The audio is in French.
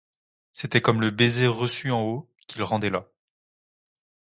C'était comme le baiser reçu en haut, qu'il rendait là.